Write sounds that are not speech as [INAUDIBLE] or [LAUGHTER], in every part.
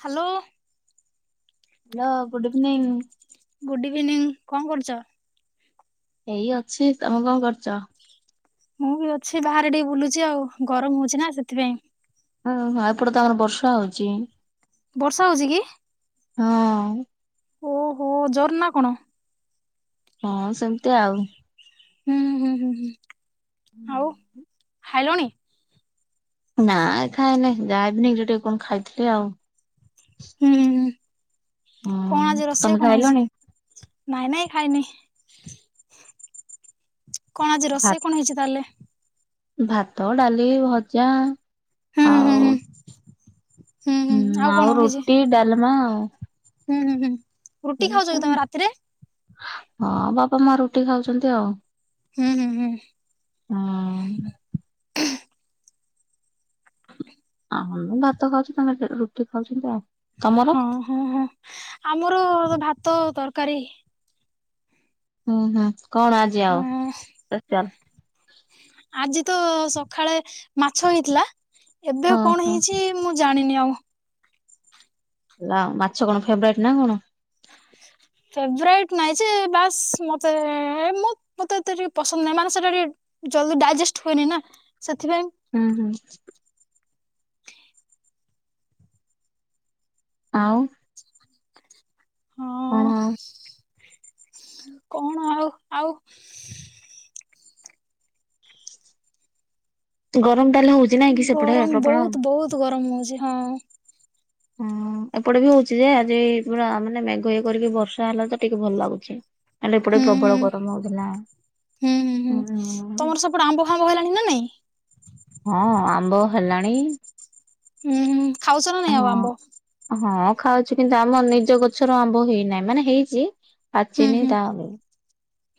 Hello. Hello good evening. Good evening କଣ କରୁଚ? ଏଇ ଅଛି ତମେ କଣ କରୁଚ? ମୁଁ ବି ଅଛି ବାହାରେ ଟିକେ ବୁଲୁଛି ଆଉ। ଗରମ ହୋଉଚି ନା ସେଥିପାଇଁ। ଆଉ ଏପଟେ ତ ଆମର ବର୍ଷା ହୋଉଚି। ବର୍ଷା ହୋଉଚି କି? ହଁ। ଓହୋ ଜର ନା କଣ? ହଁ ସେମତି ଆଉ। ହୁଁ ହୁଁ ହୁଁ ହୁଁ ଆଉ ଖାଇଲଣି? ନା ଖାଏନେଇଁ ଯା ଇଭିନିଂ ଟିକେ କଣ ଖାଇଥିଲି ଆଉ। ହୁଁ ହୁଁ ହୁଁ କଣ ଆଜି ତମେ ରୋଷେଇ କଣ ହେଇଚି? ଖାଇଲଣି? ନାଇଁ ନାଇଁ ଖାଇନେଇଁ। କଣ ଆଜି ଭା ରୋଷେଇ କଣ ହେଇଚି ତାଲେ? ଭାତ, ଡାଲି, ଭଜା ହୁଁ ହୁଁ ହୁଁ ଆଉ ହୁଁ ହୁଁ କଣ ଆଉ ହେଇଛି? ରୁଟି, ଡାଲମା ଆଉ‌। ହୁଁ ହୁଁ ହୁଁ। ଖାଉଛ ରୁଟି କି ତମେ ରାତିରେ? କରିଚ ହଁ ବାପା ମା ରୁଟି ଖାଉଚନ୍ତି ଆଉ। ହୁଁ ହୁଁ ହୁଁ। ହଁ ଆମେ ଭାତ ଖାଉଚୁ ସମସ୍ତେ ରୁଟି ଖାଉନ୍ତି ଆଉ ତମର? ହଁ ହଁ ହଁ ଆମର ଭାତ, ତରକାରୀ। ହୁଁ ହୁଁ କଣ ଆଜି ଆଉ ହଁ ସ୍ଫେସିଆଲ୍? ଆଜି ତ ସଖାଳେ ମାଛ ହେଇଥିଲା। ଏବେ କଣ ଓହୋ ହେଇଚି। ମୁଁ ଜାଣିନି ଆଉ। ନା ମାଛ କଣ ଫେବରାଇଟ୍ ନା କଣ? ଫେବରାଇଟ୍ ନାଇଁ ଯେ ବାସ୍ ମତେ ମତେ ଏତେ ଟିକେ ପସନ୍ଦ ନାହିଁ ମାନେ ସେଟା ଟିକେ ଜଲ୍ଦି ଡାଇଜେଷ୍ଟ ହୁଏନି ନା ସେଥିପାଇଁ। ହୁଁ ହୁଁ। ଆଉ? ହଁ କଣ କଣ ଆଉ ଆଉ। [INAUDIBLE] ତି ଗରମ ତାହେଲେ ହଉଚି ନାଇଁ କି ସେପଟେ ପ୍ରବଳ? ବହୁତୁ ଗରମ ହଉଚି ହଁ। ହୁଁ ଏପଟେ ବି ହଉଚି ଯେ ଆଜି ପୁରା ମାନେ ମେଘ ଇଏ କରିକି ବର୍ଷା ହେଲା ତ ଟିକେ ଭଲ ଲାଗୁଚି। କାଲି ଏପଟେ ହୁଁ ପ୍ରବଳ ହୁଁ ଗରମ ହଉଥିଲା। ହୁଁ ହୁଁ ହୁଁ ଉହୁଁ। ତମର ସେପଟେ ଆମ୍ବ ଫାମ୍ୱ ହେଲାଣି ନା ନାଇଁ? ହଁ ଆମ୍ବ ହେଲାଣି। ହୁଁ ହୁ ଖାଉସଲ ନା ନାଇଁ ଆଉ ହଁ ଆମ୍ବ? ହଁ ଖାଉଛି କିନ୍ତୁ ଆମ ନିଜ ଗଛର ଆମ୍ବ ହେଇନାହିଁ ମାନେ ହେଇଚି। ହୁଁ ପାଚିନି ହୁଁ ଟାଉ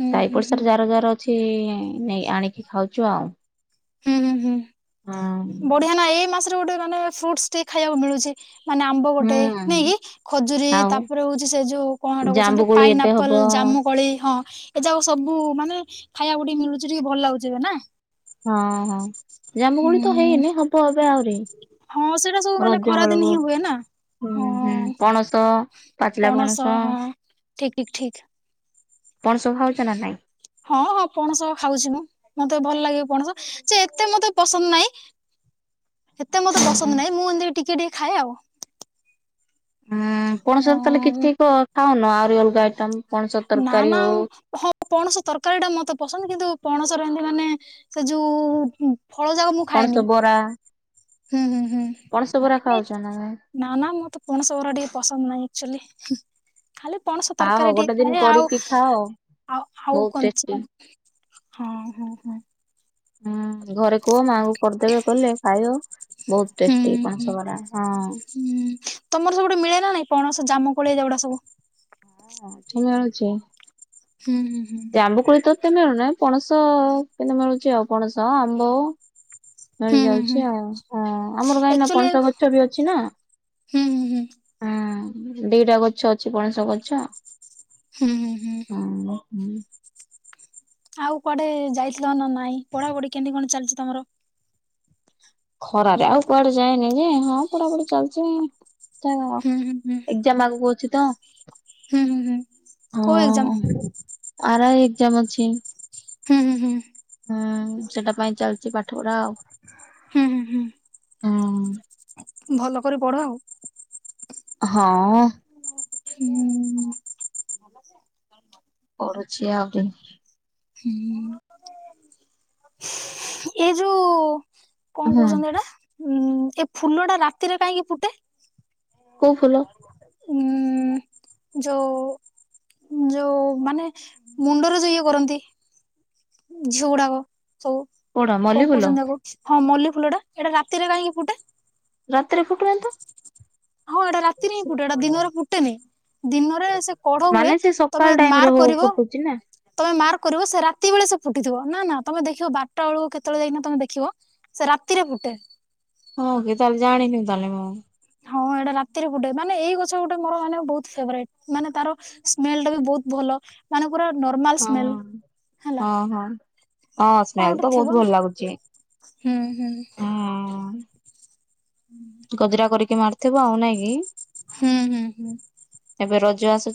ହୁଁ ହୁଁ ସାଇପଡି ହୁଁ ସାର ଯାର-ଯାର ଛିଇଁ ନେଇ ଆଣିକି ଖାଉଚୁ ଆଉ। ହୁଁ ହୁଁ ହୁଁ ହଁ ବଢିଆ ନାଏ ଏ ମାସରେ ଗୋଟେ ମାନେ ଫ୍ରୁଟସ୍ ଟିକେ ଖାଇଆକୁ ମିଳୁଛି ମାନେ ଆମ୍ବ ହୁଁ ଗୋଟେ, ନେଇକି? ଖଜୁରୀ ଆଉ ତାପରେ ହଉଚି ସେ ଯୋଉ କଣ ହେଟା କହୁଛନ୍ତି? ଜାମ୍ବୁକୋଳି ଏବେ ହବ ପାଇନାପଲ୍ ଜାମୁକଳି ହଁ। ଏ ଯାଉ ସବୁ ମାନେ ଖାଇବାକୁ ଟିକେ ମିଳୁଚି ଟିକେ ଭଲ ଲାଗୁଚି ଏବେ ନା? ହଁ ହଁ, ହୁଁ ଜାମୁକୋଳି ତ ହେଇନି ହବ ଏବେ ଆହୁରି। ହଁ ସେଇଟା ସବୁ ମାନେ ରଜ ଖରାଦିନେ ବେଳକୁ। ହିଁ ହୁଏ ନା? ହୁଁ ହୁଁ, ହଁ ପଣସ ପାଚିଲା ପଣସ। ଠିକ୍ ଠିକ୍। ପଣସ ଖାଉଚ ନା ନାଇଁ? ହଁ ହଁ ପଣସ ଖାଉଚି ମୁଁ ମତେ ଭଲ ଲାଗେ ପଣସ। ଯେ ଏତେ ମତେ ପସନ୍ଦ ନାଇଁ। ଏତେ ମତେ ହୁଁ ହୁଁ। ପସନ୍ଦ ନାଇଁ ମୁଁ ଏମତିି ଟିକେ ଟିକେ ଖାଏ ଆଉ। ଉଁ ପଣସରେ ତାହେଲେ ଆଉ କିଛି ତ ଖାଉନ ଆହୁରି ଅଲଗା ଆଇଟମ୍ ପଣସ ନା ତର୍କାରୀ ନା ହଉ? ହଁ ପଣସ ତର୍କାରୀ ଟା ମତେ ପସନ୍ଦ କିନ୍ତୁ ପଣସର ଏମିତି ମାନେ ସେ ଯୋଉ ଉଁ ଫଳ ଯାକ ମୁଁ ପଣସ ଖାଏନି। ବରା ହୁଁ ହୁଁ ହୁଁ। ପଣସ ବରା ଖାଉଛ ନା ନାଇଁ? ନା ନା ମତେ ପଣସ ଉରା ଟିକେ ପସନ୍ଦ ନାହିଁ ଏକ୍ଚୋଲି ହୁଁ ଖାଲି ପଣସ ଖାଅ ତର୍କାରୀ ଟିକେ ଗୋଟେ ଦିନ ଖାଏ ଆଉ କରିକି ଖାଅ ଆଉ ଆଉ ବହୁତ କଞ୍ଚା ଟେଷ୍ଟି। ହଁ ହଁ ହଁ। ହୁଁ ଘରେ କୁହ ମାଆଙ୍କୁ କରିଦେବେ କଲେ ଖାଇବ। ବହୁତ ହୁଁ ଟେଷ୍ଟି ହୁଁ ହୁଁ। ପଣସ ବରା ହଁ। ହୁଁ ତମର ସେପଟେ ମିଳେ ନା ନାଇଁ ପଣସ ଜାମ କୋଳି ଏଇ ଯାକ ଗୁଡା ସବୁ? ଅଁ ଛ ମିଳୁଚି। ହୁଁ ହୁଁ ହୁଁ। ଆମ୍ବ କୋଳି ତ ଏତେ ମିଳୁ ନାଇ ପଣସ କେନେ ମିଳୁଚି ଆଉ ପଣସ, ଆମ୍ବ ମେଳି ହୁଁ ହୁଁ ହୁଁ। ଯାଉଛି ଆଉ ହଁ ଆମର କାହିଁକିନା ଆକ୍ଚୁଆଲି ପଣସ ଗଛ ବି ଅଛି ନା। ହୁଁ ହୁଁ ହୁଁ ହୁଁ ଦିଟା ଗଛ ଅଛି ପଣସ ଗଛ। ହୁଁ ହୁଁ ହୁଁ। ହଁ ହୁଁ। ଆଉ କୁଆଡେ ଯାଇଥିଲ ନା ନାଇଁ ପଢାପଢି କେମିତି କଣ ଚାଲଚି ତମର? ଖରାରେ ଆଉ କୁଆଡେ ଯାଏନି ଯେ। ହଁ ପଢାପଢି ଚାଲିଚି [UNINTELLIGIBLE] ହୁଁ ହୁଁ ହୁଁ ଏ ଜମା ଆଗକୁ ଅଛି ତ। ହୁଁ ହୁଁ ହୁଁ କୋଉ ହଁ ଏଗଜାମ? ଆର ଆଇ ଏଗଜାମ ଅଛି। ହୁଁ ହୁଁ ହୁଁ। ହୁଁ ସେଟା ପାଇଁ ଚାଲଚି ପାଠପଢା ଆଉ। ହୁଁ ହୁଁ ହୁଁ। ହୁଁ। ଭଲ କରି ପଢ ଆଉ। ହଁ। ହୁଁ। [UNINTELLIGIBLE] ହୁଁ [INAUDIBLE] ଏ ଯୋଉ କଣ ହୁଁ କହୁଛନ୍ତି ଏଇଟା ଉଁ ଏ ଫୁଲ ଟା ରାତିରେ କାହିଁକି ଫୁଟେ? କୋଉ ଫୁଲ? ହୁଁ। ଯୋଉ ଯୋଉ ମାନେ ମୁଣ୍ଡରେ ଯୋଉ ଇଏ କରନ୍ତି। ଝିଅ ଗୁଡାକ ସବୁ କୋଉଟା ମଲ୍ଲି କଣ ଫୁଲ କହୁଛନ୍ତି ତାକୁ ହଁ ମଲ୍ଲି ଫୁଲଟା ଏଇଟା ରାତିରେ କାହିଁକି ଫୁଟେ? ରାତିରେ ଫୁଟୁନି ତ। ହଁ ଏଇଟା ରାତିରେ ହିଁ ଫୁଟେ ଏଇଟା ଦିନରେ ଫୁଟେନି। ଦିନରେ ସେ କଢ ହୁଏ ମାନେ ସେ ତମେ ସକାଳ ଟାଇମ ରେ ମାର୍କ ହଉ କରିବ ଫୁଟୁଛି ନା। ତମେ ମାର୍କ କରିବ ସେ ରାତି ରାତିବେଳେ ସେ ଫୁଟିଥିବ ନା ନା ତମେ ଦେଖିବ ବାରଟା ବେଳକୁ କେତେବେଳେ ଯାଇକି ତମ ଦେଖିବ ସେ ରାତିରେ ଫୁଟେ। ହଁ କି ତାହେଲେ ଜାଣିନି ତାହେଲେ ମୁଁ। ହଁ ଏଇଟା ରାତିରେ ଫୁଟେ ମାନେ ଏଇ ଗଛ ଗୋଟେ ମୋର ମାନେ ବହୁତ ଫେବରାଇଟ୍ ମାନେ ତାର ସ୍ମେଲ ଟା ବି ବହୁତ ଭଲ ମାନେ ପୁରା ନର୍ମାଲ ସ୍ମେଲ ହଁ। ହେଲା। ହଁ ହଁ ହଁ କଣ ସ୍ମେଲ ଗୋଟେ ତ ବହୁତ ଥିବ ଭଲ ନା ଲାଗୁଚି। ହୁଁ ହୁଁ। ଗଜରା କରିକି ମାରିଥିବ ଆଉ ନାଇଁ କି। ହୁଁ ହୁଁ ହୁଁ। ଏବେ ରଜ ଆସୁ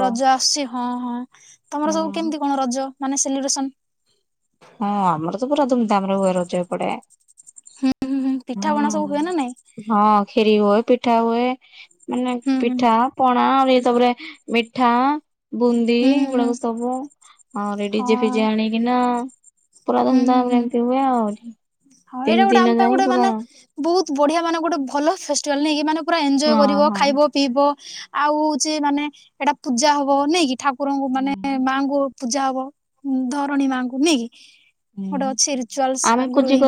ରଜ ଆସୁଛି ହଁ ହଁ ତମର ସବୁ ହୁଁ କେମିତି କଣ ରଜ ମାନେ ସେଲିବ୍ରେସନ ହଁ ଆମର ତ ପୁରା ଧୁମ ଧାମରେ ହୁଏ ରଜ ଏପଟେ। ହୁଁ ହୁଁଁ ହୁଁ। ପିଠାପଣା ସବୁ ହୁଏ ନା ନାଇଁ? ହଁ ଖୀରି ହୁଏ ପିଠା ହୁଏ ମାନେ ହୁଁ ହୁଁ ପିଠା ପଣା ଆହୁରି ଏସବୁରେ ମିଠା ବୁନ୍ଦି ହୁଁ ହୁଁ ହୁଁ ଏଗୁଡାକ ସବୁ ଆହୁରି ଡିଜେ ହଁ ଫିଜେ ଆଣିକିନା ପୁରା ହୁଁ ହୁଁ ଧୁମଧାମ ରେ ହୁଁ ଏମିତି ହୁଏ ଆଉ। ହଁ ତିନି ଏଇଟା ଗୋଟେ ଦିନ ଆମ ପାଇଁ ଯାଇ ଗୋଟେ ମାନେ ପୁରା ବହୁତ ବଢିଆ ମାନେ ଗୋଟେ ଭଲ ଫେଷ୍ଟିଭାଲ ନେଇକି ମାନେ ପରା ଏନଜୟ ହଁ କରିବ ହଁ। ଖାଇବ ପିଇବ ଆଉ ହଉଛି ମାନେ ଏଟା ପୂଜା ହବ ନେଇକି ଠାକୁରଙ୍କୁ ମାନେ ହୁଁ ମାଙ୍କୁ ପୂଜା ହବ ଧରଣୀ ମାଙ୍କୁ ନିଏକି ଗୋଟେ ଅଛି ରିଚୁଆଲସ ଆଗରୁହିଁ।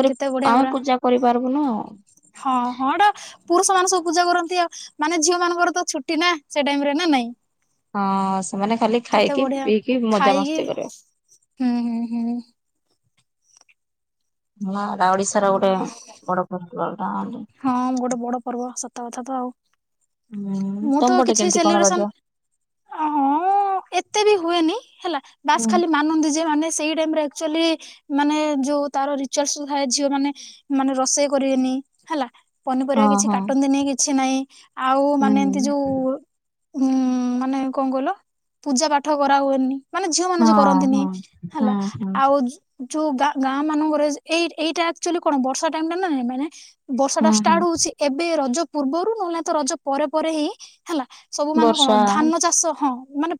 ଆଉ ପୂଜା କରିପାରିବୁନ ଆଉ। ହଁ [UNINTELLIGIBLE] ପୁରୁଷ ମାନ ସବୁ ପୂଜା କରନ୍ତି ଆଉ ମାନେ ଝିଅ ମାନଙ୍କର ତ ଛୁଟି ନା ସେ ଟାଇମ ରେ ନା ନାଇଁ। ହଁ ସେମାନେ ଖାଲି କେତେ ଖାଇକି ବଢିଆ ପିଇକି ମଜା ଖାଇକି ମସ୍ତି କରିବେ। ହୁଁ ହୁଁ ହୁଁ। ହଁ ଏଟା ଓଡିଶାର ଗୋଟେ ହୁଁ ବଡ ପର୍ବ [UNINTELLIGIBLE] ହଁ ଗୋଟେ ବଡ ପର୍ବ ସତା କଥା ତ ଆଉ। ହୁଁ ମୁଁ ତମ ତ ପଟେ କିଛି କେମିତି କଣ ସେଲିବ୍ରେସନ ରଜ? ହଁ ଏତେ ବି ହୁଏନି ହେଲା ବାସ୍ ହୁଁ ଖାଲି ମାନନ୍ତି ଯେ ମାନେ ସେଇ ଟାଇମ୍ ରେ ଆକଚୁଆଲି ମାନେ ଯୋଉ ତାର ରିଚୁଲସ ଥାଏ ଝିଅ ମାନେ ମାନେ ରୋଷେଇ କରିବେନି ହେଲା। ପନିପରିବା ହଁ କିଛି ହଁ କାଟନ୍ତିନି କିଛି ନାହିଁ ଆଉ ମାନେ ଏମତି ହୁଁ। ଯୋଉ ଉଁ ମାନେ କଣ କହିଲ ପୂଜା ପାଠ କରନ୍ତିନି। ମାନେ ଝିଅ ମାନେ ଯୋଉ ହଁ କରନ୍ତିନି ହଁ ହୁଁ ହେଲା ହୁଁ ଆଉ ଯୋଉ ଗାଁ ଗାଁ ମାନଙ୍କରେ ଏଇ ଏଇଟା ୱାଚଆଲି କଣ ବର୍ଷା ଟାଇମ୍ ଟା ନାଇଁ ମେନେ ବର୍ଷା ଟା ହୁଁ ହୁଁ ଷ୍ଟାର୍ଟ ହଉଛି ଏବେ ରଜ ପୂର୍ବରୁ ନହେଲେ ତ ରଜ ପରେ ପରେ ହିଁ ହେଲା ସବୁ ମାନେ କଣ ବର୍ଷା ଧାନ ଚାଷ ହଁ ମାନେ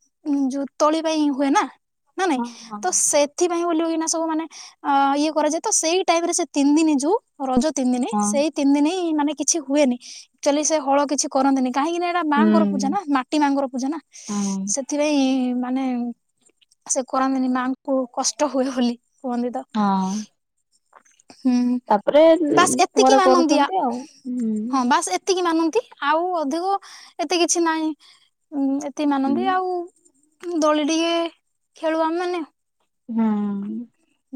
ଯୋଉ ତଳି ପାଇଁ ହୁଏ ନା। ନାଇଁ ନାଇଁ ହଁ ତ ହଁ। ସେଥିପାଇଁ ବୁଲିବ କିନା ସବୁ ମାନେ [UNINTELLIGIBLE] କରାଯାଏ। ତ ସେଇ ଟାଇମ ରେ ସେ ତିନ ଦିନି ଯୋଉ ରଜ ତିନ ଦିନି ହଁ ସେଇ ତିନି ଦିନି ମାନେ କିଛି ହୁଏନି, ଚଲେଈ ସେ ହଳ କିଛି କରନ୍ତିନି କାହିଁକି ନା ଏଟା ହୁଁ ମାଙ୍କର ପୂଜା ନା ମାଟି ମାଆଙ୍କର ପୂଜା ନା ହୁଁ ସେଥିପାଇଁ ମାନେ ସେ କରନ୍ତିନି ମାଆଙ୍କୁ କଷ୍ଟ ହୁଏ ବୋଲି କୁହନ୍ତି ତ। ହଁ। ହୁଁ ତାପରେ ବାସ୍ ଏତିକି ଘରେ ମାନ [UNINTELLIGIBLE] ନ୍ଦିଆ କରୁଛନ୍ତି ଆଉ। ହୁଁ। ହଁ ବାସ୍ ଏତିକି ମାନନ୍ତି ଆଉ ଅଧିକ ଏତେ କିଛି ନାହିଁ। ଉଁ ଏତିକି ହୁଁ ମାନନ୍ତି ଆଉ ଦୋଳି ଟିକେ ଖେଳୁ ଆମେ ମାନେ। ହୁଁ।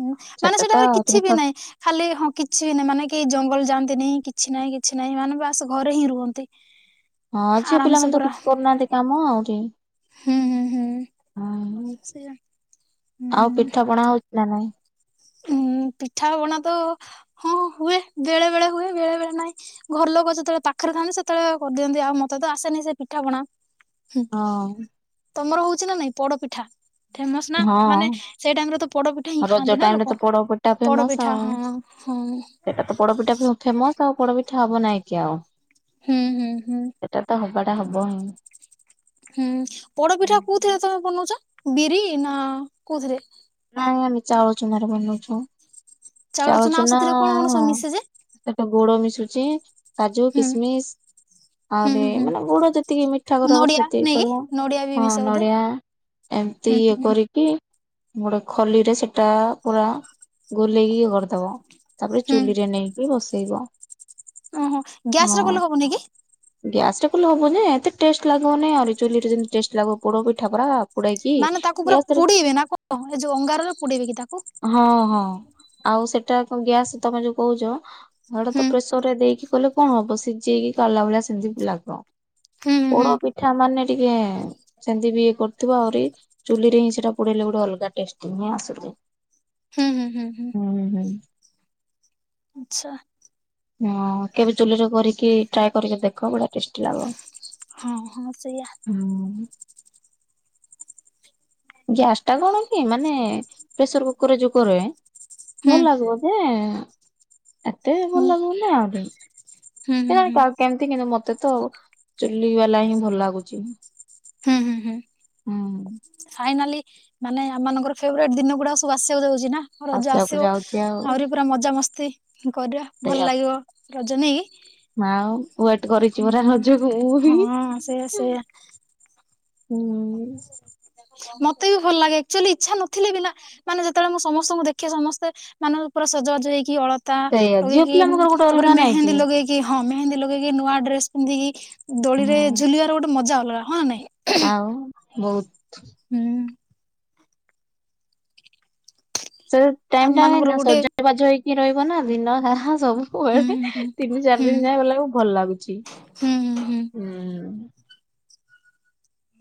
ହୁଁ ମାନେ ସେଟା ତ ସେଇଟାଙ୍କର କିଛି ଟିକେ ବି ନାହିଁ। ଖାଲି ହଁ କିଛି ବି ନହିଁ ମାନେ କେହି ଜଙ୍ଗଲ ଯାଆନ୍ତି, କିଛି ନାହିଁ କିଛି ନାହିଁ ମାନେ ବାସ ଘରେ ହିଁ ରୁହନ୍ତି। ହଁ ଝିଅ ଆରାମସେ ପିଲାମାନେ ତ ପୁରା କିଛି କରୁନାହାନ୍ତି କାମ, [UNINTELLIGIBLE] ହୁଁ ହୁଁ ହୁଁ। [UNINTELLIGIBLE] ସେଇଆ ଆଉ ହୁଁ। ପିଠା ପଣା ହଉଛି ନା ନାଇଁ? ଉଁ ପିଠାପଣା ତ ହଁ ହୁଏ, ବେଳେ ବେଳେ ହୁଏ ବେଳେ ବେଳେ ନାହିଁ। ଘର ଲୋକ ଯେତେବେଳେ ପାଖରେ ଥାନ୍ତି ସେତେବେଳେ କରିଦିଅନ୍ତି ଆଉ ମତେ ତ ଆସେନି ସେ ପିଠାପଣାଁ। ହଁ। ତମର ହଉଛି ନା ନାଇଁ ପୋଡପିଠା, ଫେମସ ନା ମାନେ ହଁ ସେଇ ଟାଇମ ରେ ତ ପୋଡପିଠା ହିଁ ଖାଆନ୍ତି ନା ଲୋକ। ପୋଡପିଠା ପୋଡ ଫେମସ୍ ପିଠା ଆଉ ହଁ ହଁ ସେଇଟା ତ ପୋଡପିଠା [UNINTELLIGIBLE] ଖା ଫେମସ ଆଉ ପୋଡପିଠା ହବ ନାଇଁ କି ଆଉ ହୁଁ ହୁଁ ହୁଁ ସେଇଟା ତ ହବାଟା ହବ ହିଁ। ହୁଁ ପୋଡପିଠା ହୁଁ। କୋଉଥିରେ ତମେ ବନଉଛ ବିରି ନା କୋଉଥିରେ? ନାଇଁ ନାଇଁ ଚାଳଛୁ ମର ବନୁଛୁ ଚାଉଳ ଚୁନା ଚାଉଛୁ ଆଉ ନା ସେଥିରେ କଣ କଣ ସବୁ ମିଶେ ଯେ? ସେଥି ଗୋଡ ମିଶୁଚି କାଜୁ ହୁଁ କିସମିସ। ହୁଁ ଆହୁରି ହୁଁ ହୁଁ ମାନେ ଗୋଡ ଯେତିକି ମିଠା କର କଥା ନଡିଆ ସେତିକି ନାଇକି କରିବ ନଡିଆ ବି ହଁ ମିଶେ ବୋଧେ। ନଡିଆ ଏମତି ହୁଁ ଇଏ ହୁଁ କରିକି ଗୋଟେ ଖଲିରେ ସେଟା ପୁରା ଗୋଲେଇକି କରିଦବ ତାପରେ ହୁଁ ଚୁଲିରେ ନେଇକି ବସେଇବ। ଓହୋ ଗ୍ୟାସ ରେ କଲେ ହବନି କି? ଗ୍ୟାସରେ କଲେ ହବ ଯେ ଏତେ ଟେଷ୍ଟ ଲାଗିବନି ଆହୁରି ଚୁଲିରେ ଯେତି ଟେଷ୍ଟ ଲାଗିବ ପୋଡ ପିଠା ପରା। ପୋଡେଇକି ମାନେ ତାକୁ ପୁରା ଗ୍ୟାସରେ ପୋଡେଇବେ ନା କଣ ଏ ଯୋଉ ଅଙ୍ଗାରରେ ପୋଡେଇବେ କି ତାକୁ ହଁ ହଁ ଆଉ ସେଟା ଗ୍ୟାସ୍ ତମେ ଯୋଉ କହୁଛ ଡା ହୁଁ ତ ପ୍ରେସର ରେ ଦେଇକି କଲେ କଣ ହବ ସିଝେଇକି କାଢିଲା ଭଳିଆ ସେମିତି ଲାଗ ହୁଁ ହୁଁ ପୋଡ ପିଠା ମାନେ ଟିକେ ଜେ ମିତି ବି ଇଏ କରୁଥିବ ଆହୁରି ଚୁଲି ରେ ହିଁ ସେଟା ପୋଡିଲେ ଗୋଟେ ଅଲଗା ଟେଷ୍ଟ ହିଁ ଆସୁଛି। ହୁଁ ହୁଁ ହୁଁ। ହୁଁ ହୁଁ। ଆଛା। ହଁ କେବେ ଚୁଲିରେ କରିକି ଟ୍ରାଏ କରିକି ଦେଖ ପୁରା ଟେଷ୍ଟି ଲାଗବ। ହଁ ହଁ ସେଇଆ। ଗ୍ୟାସଟା କଣ କି ମାନେ ପ୍ରେସର କୁକର ଯୋଉ କରେ। ହୁଁ ଭଲ ଲାଗିବ ଯେ ଏତେ ହୁଁ। ଭଲ ଲାଗିବ ନା ଆ ହୁଁ ହୁଁ କେଜାଣି ହୁଁ କାହାକୁ କେମିତି କିନ୍ତୁ ମତେ ତ ଚୁଲି ବାଲା ହିଁ ଭଲ ଲାଗୁଛି। ହୁଁ ହୁଁ ହୁଁ। ହୁଁ। ଫାଇନାଲି ମାନେ ଆମଙ୍କର ଫେବରେଟ୍ ଦିନ ଗୁଡା ସବୁ ଆସିବାକୁ ଯାଉଛି ନା? ହଁ ରଜ ଆସିବାକୁ ଆସିବ ଯାଉଛି ଆଉ ଆହୁରି ନଈରେ ପୁରା ମଜାମସ୍ତି କରିବା ଭଲ ସେଇଆ ଲାଗିବ। ରଜନୀ ଆଉ ୱେଟ କରିଛି ପରା ରଜକୁ ହଁ ସେଇଆ [UNINTELLIGIBLE] ସେଇଆ। ହୁଁ। ମତେ ବି ଭଲ ଲାଗେ ଆକଚୁଆଲି ଇଚ୍ଛା ନଥିଲେ ବିନା ମାନେ ଯେତେବେଳେ ମୁଁ ସମସ୍ତଙ୍କୁ ଦେଖେ ସମସ୍ତେ ମାନେ ପୁରା ସଜ ବାଜ ହେଇକି ଅଳ ତା ସେଇଆ ଝିଅ ପିଲାମାନଙ୍କର ଲଗେଇକି ଗୋଟେ ତାପରେ ଅଲଗା ନାଇଁ ମେହେନ୍ଦୀ ଲଗେଇକି। କି ହଁ ମେହେନ୍ଦୀ ଲଗେଇକି ନୂଆ ଡ୍ରେସ ପିନ୍ଧିକି ଦୋଳିରେ ହୁଁ। ଝୁଲିବାର ଗୋଟେ ମଜା ଅଲଗା ହଁ ନାଇଁ। ଆଉ ବହୁତ। ହୁଁ। ସେ ଟାଇମ ଆମ ଟା ମାନଙ୍କର କା ଗୋଟେ ସଜବାଜ ହେଇକି ରହିବ ନା ଦିନସାରା। ହୁଁ ସବୁବେଳେ ହୁଁ ତିନି ଚାରି ହୁଁ ଦିନ ଯାଏ ଗଲା ବେଳକୁ ଭଲ ଲାଗୁଛି ହୁଁ।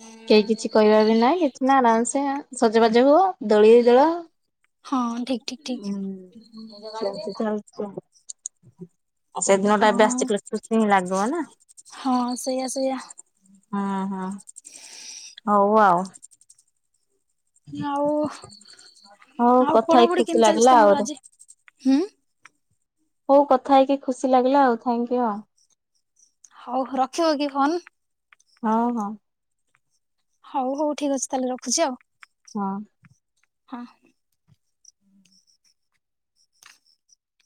ହୁଁ [INAUDIBLE] କେହି କିଛି କହିବା ବି ନାହିଁ କିଛି ନା ଆରାମସେ ସଜବାଜ ହୁଅ ଦୋଳି ଦଳ। ହଁ ଠିକ ଠିକ ଠିକ। ହଁ। ଆ ସେଦିନଟା ଏବେ ହଁ ଆସିଛି ଖୁସି ହିଁ ଲାଗିବ ନା। ହଁ ସେଇଆ ସେଇଆ ହ ହ ହଉ ଆଉ। ଆଉ ହଉ ଆଉ କଥା ହେଇକି ପଢାପଢି ଖୁସି କେମିତି ଲାଗିଲା ଚାଲିଛି ତମର ଆହୁରି। ଆଜି ହୁଁ। ହଉ କଥା ହେଇକି ଖୁସି ଲାଗିଲା ଆଉ ଥାଙ୍କୟୁ ଆଉ। ହଉ ରଖିବ କି ଫୋନ୍? ହଁ ହଁ। ହଉ ହଉ ଠିକ ଅଛି ତାହେଲେ ରଖୁଛି ଆଉ। ହଁ। ହଁ,